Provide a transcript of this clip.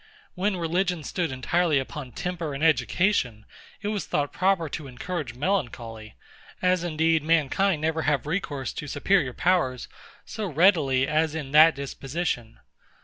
When religion stood entirely upon temper and education, it was thought proper to encourage melancholy; as indeed mankind never have recourse to superior powers so readily as in that disposition.